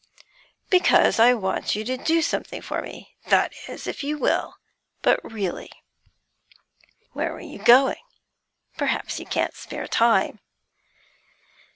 'Because I want you to do something for me that is, if you will. But, really, where were you going? Perhaps you can't spare time?'